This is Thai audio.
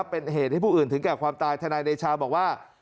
เป็นเหตุให้ผู้อื่นถึงแก่ความตายทนายเดชาบอกว่า